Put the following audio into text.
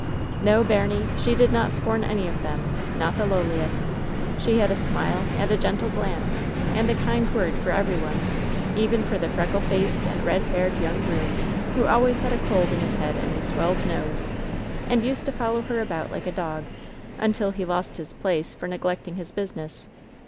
"No, baimie, she did not scorn any of them — ^not the lowliest. She had a smile and a gentle glance, and a kind word for every one — even for the freckle faced LOVERS BITTEREST CUP 277 and red haired young groom, who always had a cold in his head and a swelled nose, and used to follow her about like a dog, until he lost his place for neglecting his busi ness.